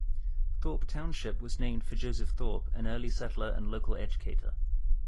Thorpe Township was named for Joseph Thorpe, an early settler and local educator.